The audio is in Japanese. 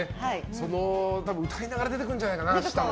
歌いながら出てくるんじゃないかな、明日も。